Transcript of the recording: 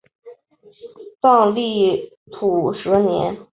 藏历土蛇年。